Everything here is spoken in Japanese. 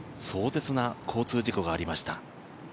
壮絶な交通事故がありました。